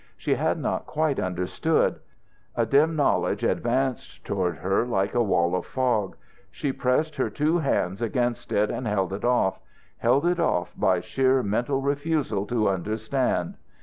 She had not quite understood. A dim knowledge advanced toward her like a wall of fog. She pressed her two hands against it and held it off held it off by sheer mental refusal to understand.